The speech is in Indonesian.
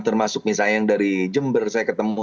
termasuk misalnya yang dari jember saya ketemu